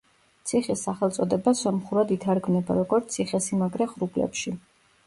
ციხის სახელწოდება სომხურად ითარგმნება როგორც „ციხესიმაგრე ღრუბლებში“.